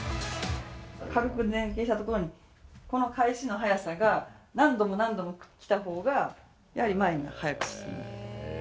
軽く前傾したところにこの返しの速さが、何度も何度も来たほうがやはり前に早く進む。